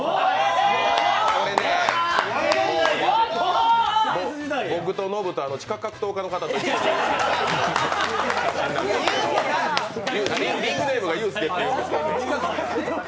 これね僕とノブと地下格闘家の方と一緒にリングネームがユースケっていうんですけど。